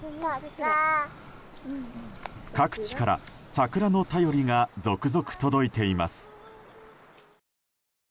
各地から桜の便りが続々届いています。